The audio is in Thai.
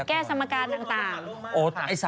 โอ้ไอ้สมการนี้น่ากลมมากเลย